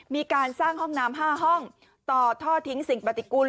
มีการสร้างห้องน้ำ๕ห้องต่อท่อทิ้งสิ่งปฏิกุล